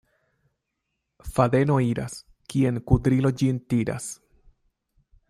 Fadeno iras, kien kudrilo ĝin tiras.